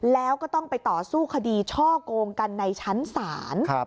แล้วก็ต้องไปต่อสู้คดีช่อกงกันในชั้นศาล